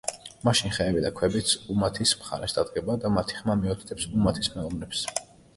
მაშინ ხეები და ქვებიც უმათის მხარეს დადგება და მათი ხმა მიუთითებს უმათის მეომრებს.